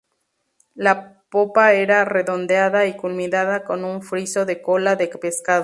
La popa era redondeada y culminaba con un friso de cola de pescado.